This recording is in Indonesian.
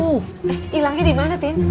eh ilangnya dimana tin